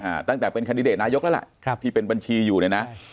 ตั้งแต่เป็นคันดิเดตนายกแล้วล่ะครับที่เป็นบัญชีอยู่เนี่ยนะ